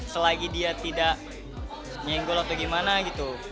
selagi dia tidak nyenggol atau gimana gitu